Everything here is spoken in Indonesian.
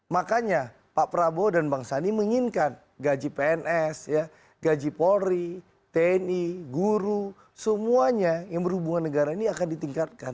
makanya pak prabowo dan bang sandi menginginkan gaji pns gaji polri tni guru semuanya yang berhubungan negara ini akan ditingkatkan